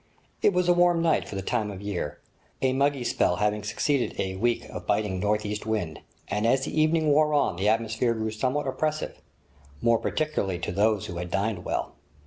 It was a warm night for the time of year, a muggy spell having succeeded a week of biting north east wind, and as the evening wore on the atmosphere grew somewhat oppressive, more particularly to those who had dined well.